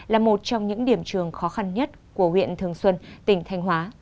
là một trong những điểm trường khó khăn nhất của huyện thường xuân tỉnh thanh hóa